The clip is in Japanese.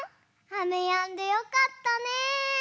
あめやんでよかったね。